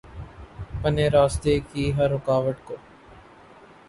پنے راستے کی ہر رکاوٹ کو